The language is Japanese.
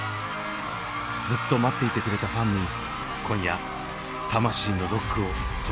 ずっと待っていてくれたファンに今夜魂のロックを届けます。